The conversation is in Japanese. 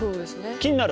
気になる？